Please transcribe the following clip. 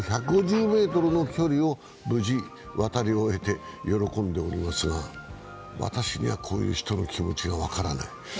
結局、１５０ｍの距離を無事渡り終えて喜んでおりますが私には、こういう人の気持ちが分からない。